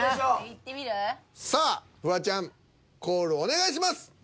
さあフワちゃんコールお願いします。